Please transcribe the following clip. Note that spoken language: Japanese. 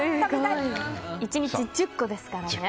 １日１０個ですからね。